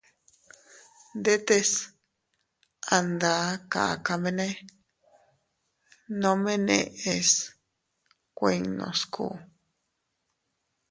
Ndetes a nda kakamene nome neʼes kuinnu sku.